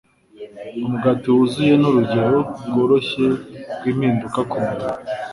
umugati wuzuye ni urugero rworoshye rwimpinduka kumurimo